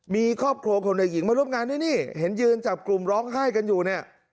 มีครอบครัวของเด็กหญิงมาร่วมงานด้วยนี่เห็นยืนจับกลุ่มร้องไห้กันอยู่เนี่ย